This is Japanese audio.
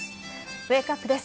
ウェークアップです。